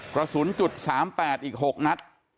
กระสุนจุด๓๘อีก๖นัด